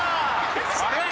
あれ？